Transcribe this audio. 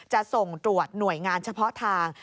จะส่งตรวจหน่วยงานเฉพาะทาง